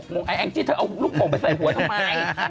๖โมงไอ้แอ้งจิ๊ดถ้าเอาลูกโป่งไปใส่หัวทำไม